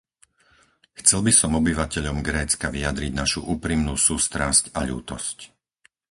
Chcel by som obyvateľom Grécka vyjadriť našu úprimnú sústrasť a ľútosť.